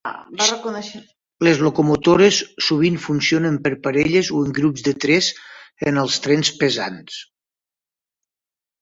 Les locomotores sovint funcionen per parelles o en grups de tres ens els trens pesants.